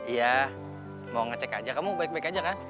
ya mau ngecek aja kamu baik baik aja kan